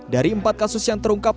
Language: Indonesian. dari empat kasus yang terungkap